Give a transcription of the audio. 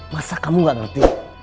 masa kamu gak ngerti